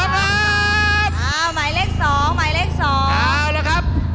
ตามหมายเลข๒